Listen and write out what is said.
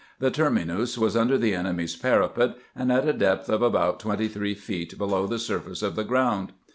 The terminus was under the enemy's parapet, and at a depth of about 23 feet below the surface of the ground.